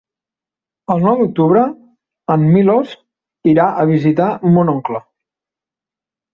El nou d'octubre en Milos irà a visitar mon oncle.